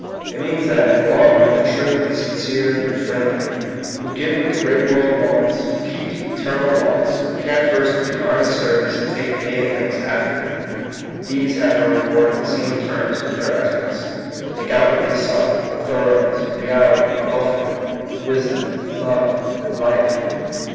It means that in the long run the true, the sincere, the friendly, who give what the great world wants, who keep the eternal laws, who care first to do honest service and take pay and thanks afterward, — these have their reward in the same terms with their efforts. They get what they sought, — thoroughness, real ity, welfare, wisdom, love, life.